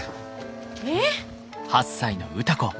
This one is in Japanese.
えっ？